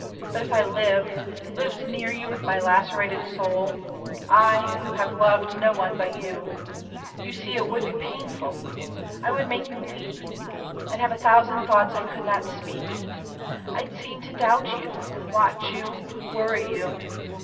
But if I lived, Lived near you with my lacerated soul— I, who have loved no one but you—you see It would be painful. I would make you weep. I'd have a thousand thoughts I could not speak. I'd seem to doubt you, watch you, worry you.